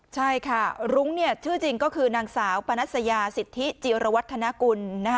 ใช่ค่ะรุ้งชื่อจริงก็คือนางสาวปนัสยาสิทธิจิรวัฒนากุล